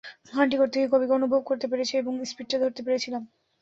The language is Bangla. গানটি করতে গিয়ে কবিকে অনুভব করতে পেরেছি এবং স্পিডটা ধরতে পেরেছিলাম।